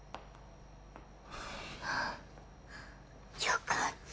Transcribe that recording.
よかった。